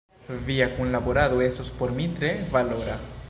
Via kunlaborado estos por mi tre valora.